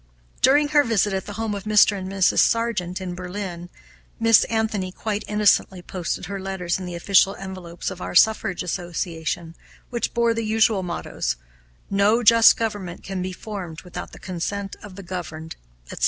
During her visit at the home of Mr. and Mrs. Sargent, in Berlin, Miss Anthony quite innocently posted her letters in the official envelopes of our Suffrage Association, which bore the usual mottoes, "No just government can be formed without the consent of the governed," etc.